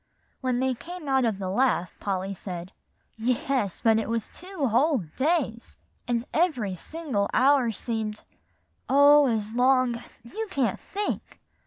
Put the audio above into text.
When they came out of the laugh, Polly said, "Yes, but it was two whole days; and every single hour seemed oh, as long you can't think!